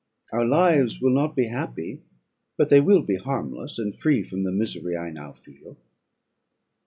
Our lives will not be happy, but they will be harmless, and free from the misery I now feel.